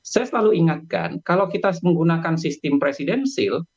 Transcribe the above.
saya selalu ingatkan kalau kita menggunakan sistem presidensil